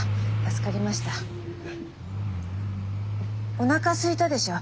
おなかすいたでしょ？